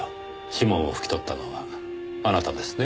指紋を拭き取ったのはあなたですね。